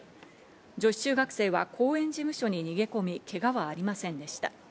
女子中学生は公園事務所に逃げ込み、けがはありませんでした。